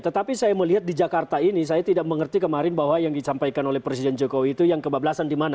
tetapi saya melihat di jakarta ini saya tidak mengerti kemarin bahwa yang disampaikan oleh presiden jokowi itu yang kebablasan di mana